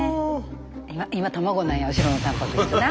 今卵なんや後ろのたんぱく質な。